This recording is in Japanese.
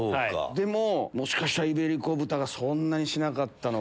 でももしかしたらイベリコ豚がそんなにしなかったのか。